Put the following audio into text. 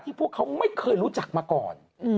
พวกเขาไม่เคยรู้จักมาก่อน